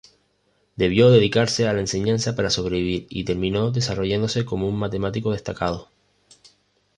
Debió dedicarse a la enseñanza para sobrevivir, y terminó desarrollándose como un matemático destacado.